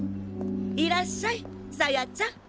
いらっしゃい紗耶ちゃん。